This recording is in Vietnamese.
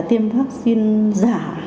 tiêm vaccine giả